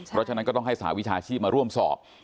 เพราะฉะนั้นก็ต้องให้สหวิชาชีพมาร่วมสอบ